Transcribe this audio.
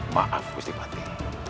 maaf gusti patih